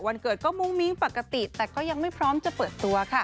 วันเกิดก็มุ้งมิ้งปกติแต่ก็ยังไม่พร้อมจะเปิดตัวค่ะ